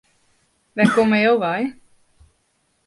Wêr komme jo wei?